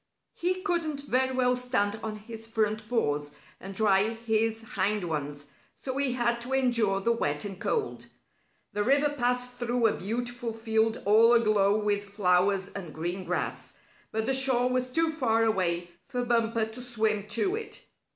He couldn't very well stand on his front paws, and dry his hind ones, so he had to endure the wet and cold. The river passed through a beautiful field all aglow with flowers and green grass, but the shore was too far away for Bumper to swim to it.